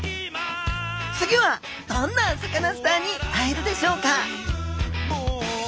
次はどんなサカナスターに会えるでしょうか？